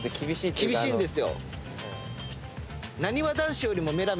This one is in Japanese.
厳しいんですよ。